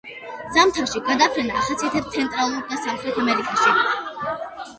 ზამთარში გადაფრენა ახასიათებს ცენტრალურ და სამხრეთ ამერიკაში.